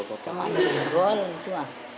cuma ada jempol gitu